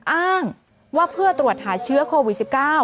อ้างว่าเพื่อตรวจหาเชื้อโควิด๑๙